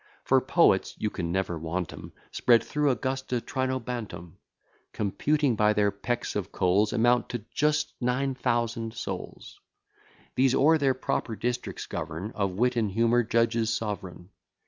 For poets (you can never want 'em) Spread through Augusta Trinobantum, Computing by their pecks of coals, Amount to just nine thousand souls: These o'er their proper districts govern, Of wit and humour judges sovereign.